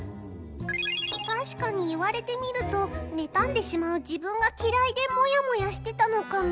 確かに言われてみると妬んでしまう自分が嫌いでモヤモヤしてたのかも。